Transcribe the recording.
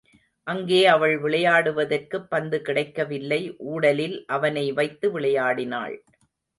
அங்கே அவள் விளையாடுவதற்குப் பந்து கிடைக்க வில்லை ஊடலில் அவனை வைத்து விளையாடினாள்.